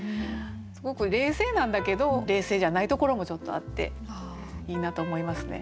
すごく冷静なんだけど冷静じゃないところもちょっとあっていいなと思いますね。